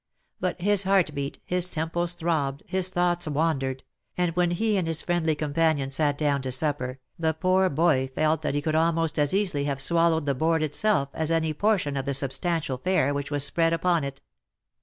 But his heart beat, his temples throbbed, his thoughts wandered, and when he and his friendly companion sat down to supper, the poor boy felt that he could almost as easily have swallowed the board itself as any por tion of the substantial fare which was spread upon it.